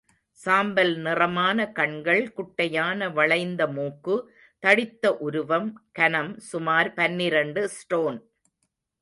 சாம்பல் நிறமான கண்கள், குட்டையான வளைந்த மூக்கு, தடித்த உருவம், கனம் சுமார் பனிரண்டு ஸ்டோன்.